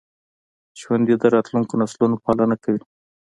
ژوندي د راتلونکو نسلونو پالنه کوي